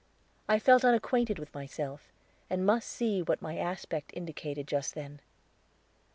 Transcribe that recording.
I felt unacquainted with myself, and must see what my aspect indicated just then.